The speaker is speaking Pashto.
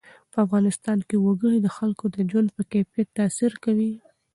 په افغانستان کې وګړي د خلکو د ژوند په کیفیت تاثیر کوي.